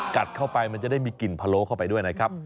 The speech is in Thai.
กัดเข้าไปมันจะได้มีกลิ่นพะโลเข้าไปด้วยนะครับ